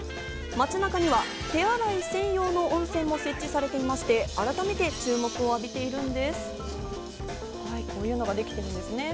街中には手洗い専用の温泉も設置されていまして、改めて注目を浴びているんです。